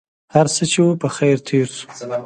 هرڅه چې و په خیر تېر شو.